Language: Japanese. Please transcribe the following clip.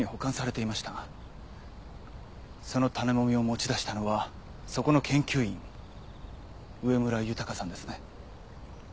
その種もみを持ち出したのはそこの研究員上村浩さんですね。